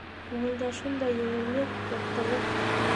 Күңелдә шундай еңеллек, яҡтылыҡ.